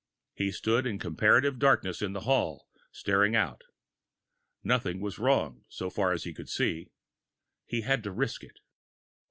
He stood in the comparative darkness of the hall, staring out. Nothing was wrong, so far as he could see. He had to risk it.